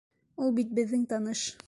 Ул бит беҙҙең таныш.